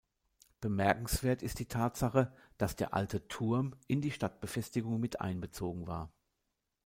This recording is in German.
Bemerkenswert ist die Tatsache, dass der alte Turm in die Stadtbefestigung mit einbezogen war.